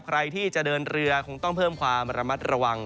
ใครที่จะเดินเรือคงต้องเพิ่มความระมัดระวัง